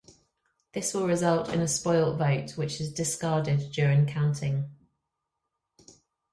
This will result in a spoilt vote which is discarded during counting.